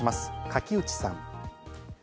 垣内さん。